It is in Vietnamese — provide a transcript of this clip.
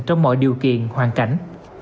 trong mọi điều kiện hoàn cảnh